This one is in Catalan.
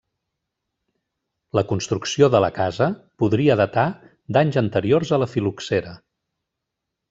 La construcció de la casa podria datar d'anys anteriors a la fil·loxera.